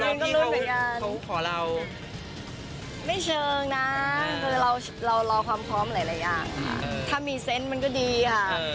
รอรุ้นก็รุ้นเหมือนกันไม่เชิงนะเรารอความพร้อมหลายอย่างค่ะถ้ามีเซนต์มันก็ดีอ่ะ